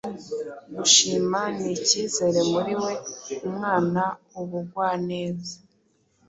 gushima n’icyizere muri we umwana ubugwaneza,